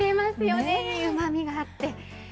いいうまみがあって。